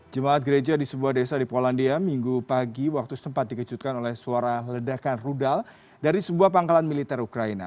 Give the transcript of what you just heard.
jemaat gereja di sebuah desa di polandia minggu pagi waktu sempat dikejutkan oleh suara ledakan rudal dari sebuah pangkalan militer ukraina